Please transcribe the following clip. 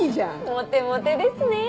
モテモテですねぇ！